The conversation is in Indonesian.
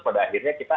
pada akhirnya kita